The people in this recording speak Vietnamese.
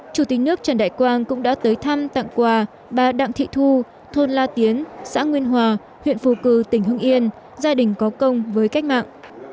chủ tịch nước trần đại quang cũng đã tới thăm tặng quà bà đặng thị thu thôn la tiến xã nguyên hòa huyện phù cử tỉnh hưng yên gia đình có công với cách mạng